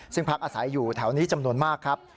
ซึ่งพักอาศัยอยู่แถวนี้จำนวนมากครับ